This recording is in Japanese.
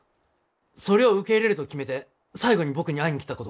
そりょう受け入れると決めて最後に僕に会いに来たこと。